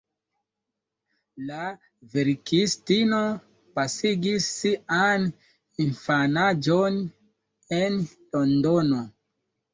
La verkistino pasigis sian infanaĝon en Londono.